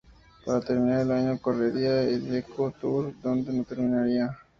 Para terminar el año, correría el Eneco Tour, donde no terminaría.